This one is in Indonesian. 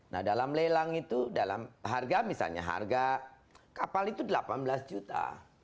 nah dalam lelang itu dalam harga misalnya harga kapal itu delapan belas juta